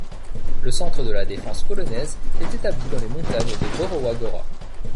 Le centre de la défense polonaise est établie dans les montagnes de Borowa Góra.